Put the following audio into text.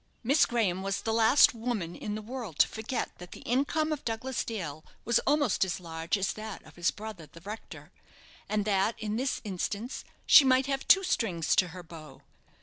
Miss Graham was the last woman in the world to forget that the income of Douglas Dale was almost as large as that of his brother, the rector; and that in this instance she might have two strings to her bow.